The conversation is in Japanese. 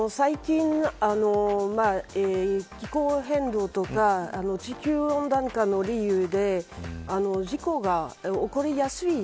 最近、気候変動とか地球温暖化の理由で事故が起こりやすい。